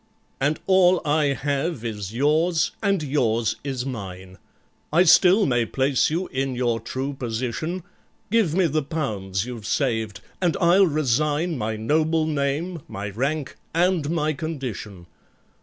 "And all I have is yours—and yours is mine. I still may place you in your true position: Give me the pounds you've saved, and I'll resign My noble name, my rank, and my condition.